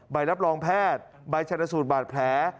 ใบรับรองแพทย์ใบชนสูตรบาดแผล